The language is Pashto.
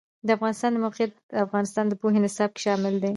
د افغانستان د موقعیت د افغانستان د پوهنې نصاب کې شامل دي.